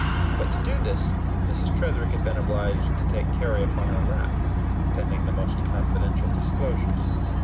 But, to do this, Mrs. Tretherick had been obliged to take Carry upon her lap, pending the most confidential disclosures.